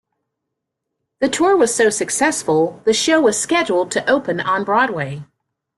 The tour was so successful, the show was scheduled to open on Broadway.